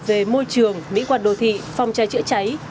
về môi trường mỹ quản đồ thị phòng cháy chữa cháy